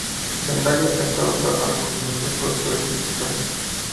Zendaya ha estado trabajando con numerosos productores y escritores.